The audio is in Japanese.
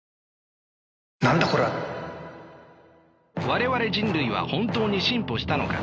我々人類は本当に進歩したのか。